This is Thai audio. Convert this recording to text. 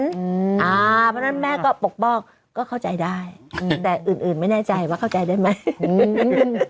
เพราะฉะนั้นแม่ก็ปกป้องก็เข้าใจได้แต่อื่นอื่นไม่แน่ใจว่าเข้าใจได้ไหมอืม